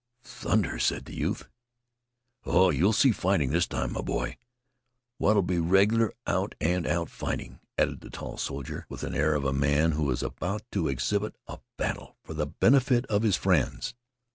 "Thunder!" said the youth. "Oh, you'll see fighting this time, my boy, what'll be regular out and out fighting," added the tall soldier, with the air of a man who is about to exhibit a battle for the benefit of his friends.